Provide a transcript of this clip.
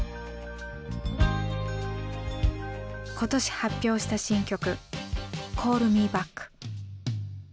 今年発表した新曲「Ｃａｌｌｍｅｂａｃｋ」。